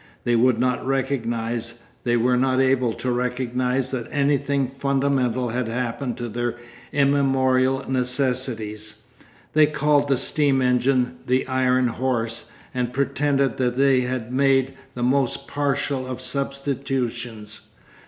They would not recognise, they were not able to recognise that anything fundamental had happened to their immemorial necessities. They called the steam engine the 'iron horse' and pretended that they had made the most partial of substitutions.